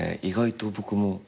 意外と僕も。